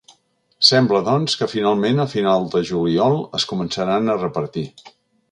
Sembla, doncs, que, finalment, a final de juliol es començaran a repartir!